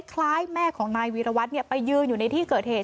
คล้ายแม่ของนายวีรวัตรไปยืนอยู่ในที่เกิดเหตุ